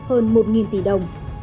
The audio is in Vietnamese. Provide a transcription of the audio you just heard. hơn một tỷ đồng